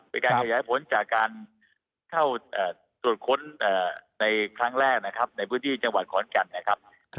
เป็นการขยายผลจากการเข้าตรวจค้นในครั้งแรกนะครับในพื้นที่จังหวัดขอนแก่นนะครับ